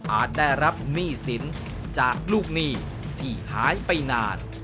ได้รับหนี้สินจากลูกหนี้ที่หายไปนาน